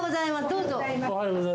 どうぞ。